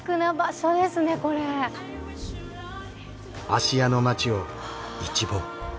芦屋の街を一望。